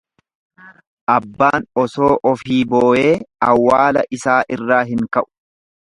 Abbaan osoo ofii booyee, awwaala isaa irraa hin ka'u.